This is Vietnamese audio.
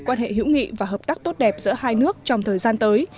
quan hệ hữu nghị và hợp tác tốt đẹp giữa hai nước trong thời gian tới